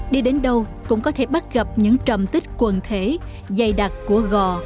đi đến đâu cũng có thể bắt gặp những trầm tích quần thể dày đặc của gò